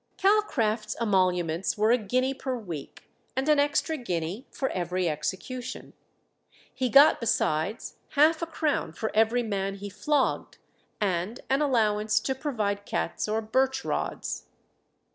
Calcraft's emoluments were a guinea per week, and an extra guinea for every execution. He got besides half a crown for every man he flogged, and an allowance to provide cats or birch rods.